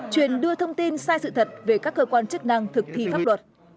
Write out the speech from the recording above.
truyền đưa thông tin sai sự thật về các cơ quan chức năng thực thi pháp luật